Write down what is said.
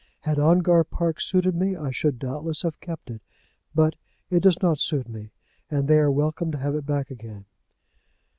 Had Ongar Park suited me I should, doubtless, have kept it; but it does not suit me, and they are welcome to have it back again."